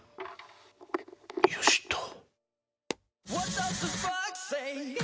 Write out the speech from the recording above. よしっと。